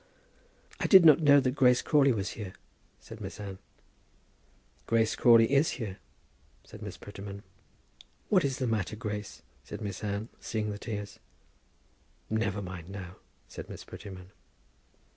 "I did not know that Grace Crawley was here," said Miss Anne. "Grace Crawley is here," said Miss Prettyman. "What is the matter, Grace?" said Miss Anne, seeing the tears. "Never mind now," said Miss Prettyman.